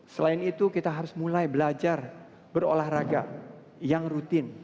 selain itu kita harus mulai belajar berolahraga yang rutin